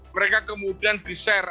mereka kemudian di share